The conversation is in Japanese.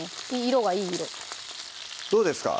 色がいい色どうですか？